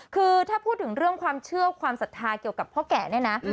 คือถ้าพูดถึงเรื่องความเชื่อความศรัทธาเกี่ยวกับพ่อแก่เนี่ยนะ